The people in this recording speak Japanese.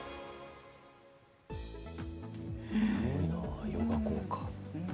すごいなヨガ効果。